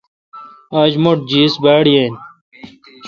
آج مٹھ جیس باڑ یین۔